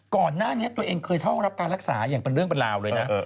ก่อนหน้านี้ตัวเองเคยเข้ารับการรักษาอย่างเป็นเรื่องเป็นราวเลยนะ